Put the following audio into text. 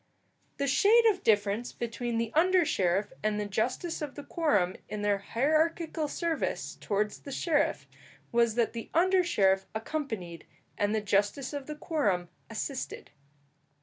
The shade of difference between the under sheriff and the justice of the quorum, in their hierarchical service towards the sheriff, was that the under sheriff accompanied and the justice of the quorum assisted.